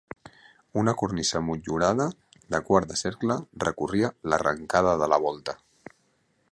Una cornisa motllurada de quart de cercle recorria l'arrencada de la volta.